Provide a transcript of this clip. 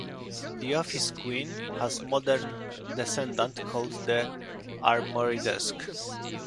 The Office Queen has a modern descendant called the armoire desk.